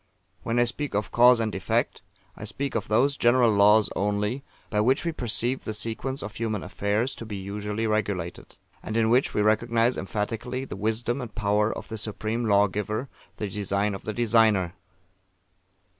When I speak of Cause and Effect, I speak of those general laws only, by which we perceive the sequence of human affairs to be usually regulated; and in which we recognise emphatically the wisdom and power of the Supreme Lawgiver, the design of The Designer.